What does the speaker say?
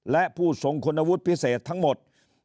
และผู้ทรงคุณวุฒิพิเศษทั้งหมด